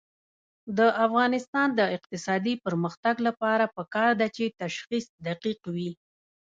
د افغانستان د اقتصادي پرمختګ لپاره پکار ده چې تشخیص دقیق وي.